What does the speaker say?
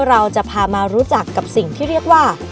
เราจะพามารู้จักกับสิ่งที่เรียกว่า